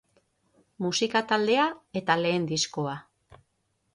Musika taldea eta lehen diskoa.